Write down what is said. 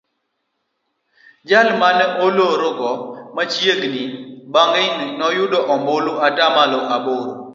Jal mane olerogo machiegni Bangaini oyudo ombulu atamalo aboro.